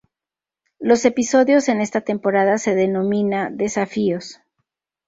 Los episodios en esta temporada se denomina "Desafíos".